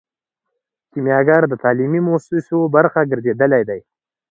کیمیاګر د تعلیمي موسسو برخه ګرځیدلی دی.